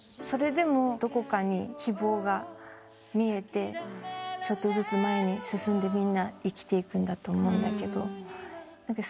それでもどこかに希望が見えてちょっとずつ前に進んでみんな生きていくんだと思うんだけど。